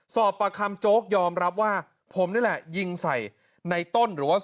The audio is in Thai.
สอบประคำโจ๊กยอมรับว่าผมนี่แหละยิงใส่ในต้นหรือว่า